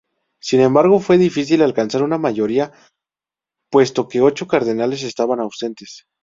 Sin embargo fue difícil alcanzar una mayoría puesto que ocho cardenales estaban ausentes.